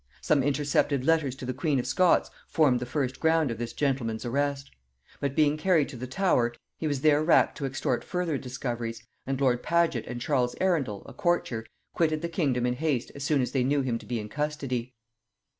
Some intercepted letters to the queen of Scots formed the first ground of this gentleman's arrest; but being carried to the Tower, he was there racked to extort further discoveries, and lord Paget and Charles Arundel, a courtier, quitted the kingdom in haste as soon as they knew him to be in custody.